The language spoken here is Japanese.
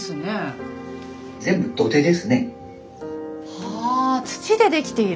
はあ土で出来ている？